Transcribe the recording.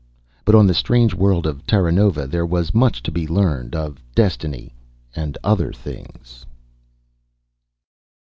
But on the strange world of Terranova, there was much to be learned of destiny, and other things....